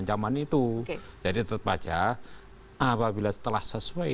apabila telah sesuai